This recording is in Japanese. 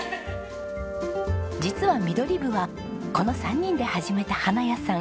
実はミドリブはこの３人で始めた花屋さん。